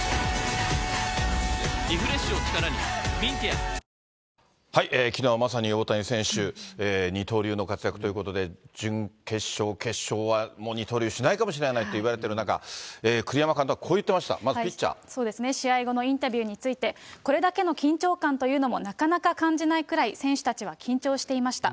こだわりの一杯「ワンダ極」きのうはまさに大谷選手、二刀流の活躍ということで、準決勝、決勝は、もう二刀流しないかもしれないと言われてる中、栗山監督はこう言試合後のインタビューについて、これだけの緊張感というのもなかなか感じないくらい、選手たちは緊張していました。